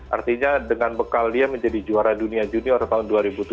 artinya dengan bekal dia menjadi juara dunia junior tahun dua ribu tujuh belas